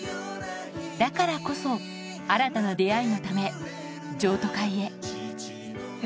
だからこそ、新たな出会いのため、譲渡会へ。